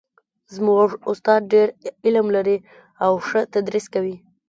زموږ استاد ډېر علم لري او ښه تدریس کوي